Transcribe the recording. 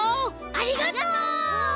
ありがとう！